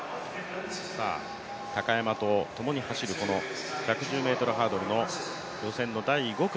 高山と共に走る１１０ｍハードルの予選の第５組。